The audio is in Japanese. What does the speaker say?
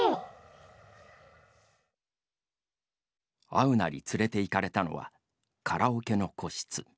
会うなり連れて行かれたのはカラオケの個室。